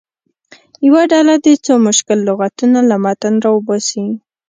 یوه ډله دې څو مشکل لغتونه له متن راوباسي.